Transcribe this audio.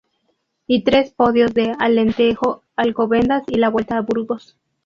Y tres podios en Alentejo, Alcobendas y la Vuelta a Burgos.